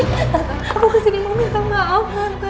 aku kesini mau minta maaf